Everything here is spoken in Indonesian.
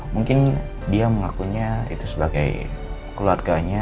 mungkin dia mengakunya itu sebagai keluarganya